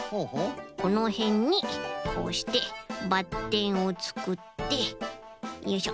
このへんにこうしてばってんをつくってよいしょ。